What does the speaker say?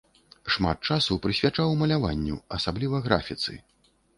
Шмат часу прысвячаў маляванню, асабліва графіцы.